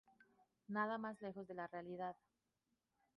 Nada más lejos de la realidad.